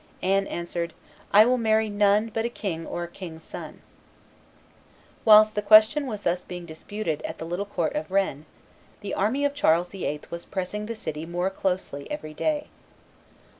Anne answered, "I will marry none but a king or a king's son." Whilst the question was thus being disputed at the little court of Rennes, the army of Charles VIII. was pressing the city more closely every day.